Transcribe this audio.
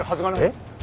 えっ？